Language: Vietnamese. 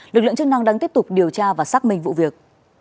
lực lượng chức năng đang tiếp tục điều tra và xác minh vụ việc